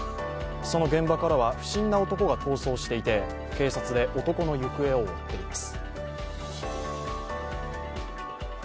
その現場からは不審な男が逃走していて、警察で男の行方を追っています。